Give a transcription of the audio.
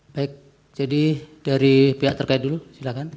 baik jadi dari pihak terkait dulu silakan